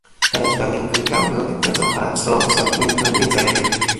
Kasa is primarily agricultural, though it also has a strong sock-making industry.